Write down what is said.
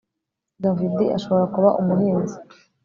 David ashobora kuba umuhinzi